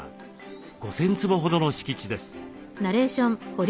５，０００坪ほどの敷地です。